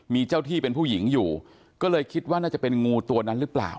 มีเจ้าที่เป็นผู้หญิงอยู่ก็เลยคิดว่าน่าจะเป็นงูตัวนั้นหรือเปล่า